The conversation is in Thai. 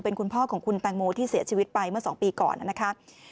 เป็นคุณพ่อของคุณแตงโมที่เสียชีวิตไปเมื่อ๒ปีก่อนนะคะ